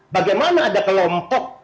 bagaimana ada kelompok